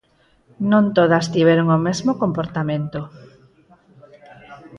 Non todas tiveron o mesmo comportamento.